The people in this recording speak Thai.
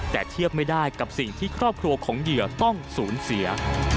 แต่เทียบไม่ได้กับสิ่งที่ครอบครัวของเหยื่อต้องสูญเสีย